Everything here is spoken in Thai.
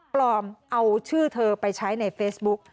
ปลอมเอาชื่อเธอไปใช้ในเฟซบุ๊ก